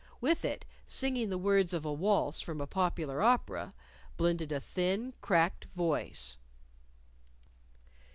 With it, singing the words of a waltz from a popular opera, blended a thin, cracked voice.